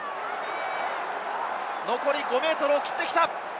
残り５ｍを切ってきた。